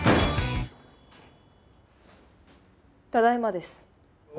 ただいまです。